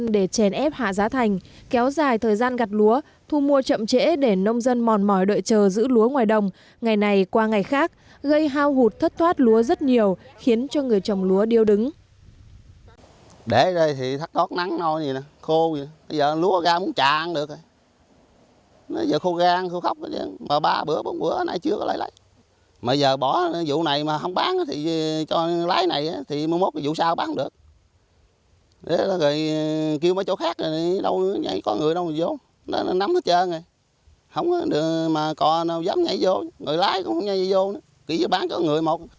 để chèn ép hạ giá thành kéo dài thời gian gặt lúa thu mua chậm trễ để nông dân mòn mỏi đợi chờ giữ lúa ngoài đồng ngày này qua ngày khác gây hao hụt thất thoát lúa rất nhiều khiến cho người trồng lúa điêu đứng